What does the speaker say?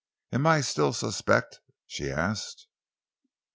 "Am I still suspect?" she asked.